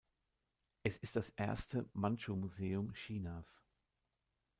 Es ist das erste Mandschu-Museum Chinas.